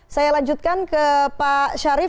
saya lanjutkan ke pak syarif